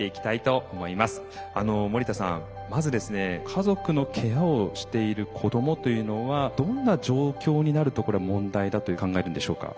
家族のケアをしている子どもというのはどんな状況になるとこれは問題だと考えるんでしょうか？